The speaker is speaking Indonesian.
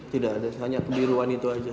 tidak ada hanya kebiruan itu saja